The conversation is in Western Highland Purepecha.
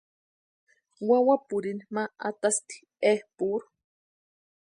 Wawapurini ma atasti epʼurhu.